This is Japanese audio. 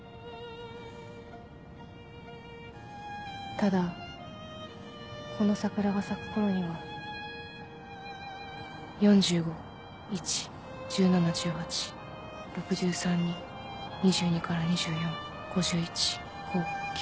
ただこの桜が咲くころには４５−１−１７・１８６３−２−２２２４５１−５−９。